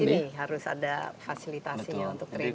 dan di sini harus ada fasilitasnya untuk training